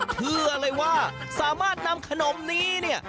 เชื่อเลยว่าสามารถนำขนมนี้เนี่ย